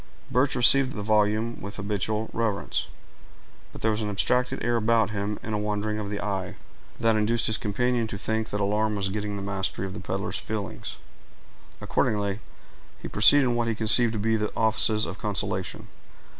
Birch received the volume with habitual reverence; but there was an abstracted air about him, and a wandering of the eye, that induced his companion to think that alarm was getting the mastery of the peddler's feelings; accordingly, he proceeded in what he conceived to be the offices of consolation.